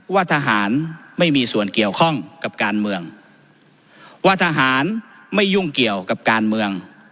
ว่าทหารไม่มีส่วนเกี่ยวข้องกับการเมืองว่าทหารไม่ยุ่งเกี่ยวกับการเมือง